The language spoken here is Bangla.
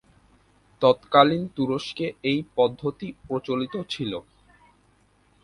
তৎকালীন তুরস্কে এ পদ্ধতি প্রচলিত ছিল।